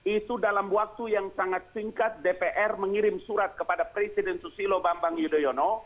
dua ribu empat dua ribu sembilan itu dalam waktu yang sangat singkat dpr mengirim surat kepada presiden susilo bambang yudhoyono